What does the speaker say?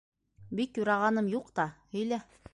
- Бик юрағаным юҡ та... һөйлә.